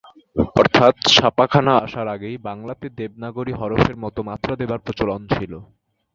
অর্থাৎ ছাপাখানা আসার আগেই বাংলাতে দেবনাগরী হরফের মত মাত্রা দেবার প্রচলন ছিল।